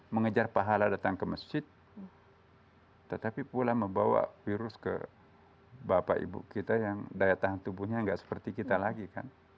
mengejar pahala datang ke masjid tetapi pula membawa virus ke bapak ibu kita yang daya tahan tubuhnya nggak seperti kita lagi kan